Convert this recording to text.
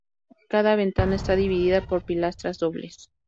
Cada ventana está dividida por pilastras dobles.